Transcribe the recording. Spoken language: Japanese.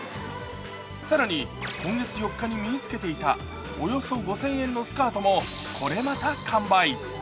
更に今月４日に身につけていたおよそ５０００円のスカートもこれまた完売。